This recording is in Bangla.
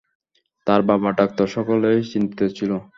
তার বাবা, ডাক্তার সকলেই চিন্তিত ছিলো।